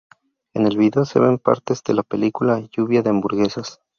En el vídeo se ven partes de la película Lluvia De Hamburguesas.